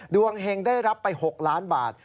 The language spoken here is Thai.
เฮงได้รับไป๖ล้านบาท